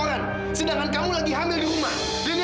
enggak gak usah kak fadil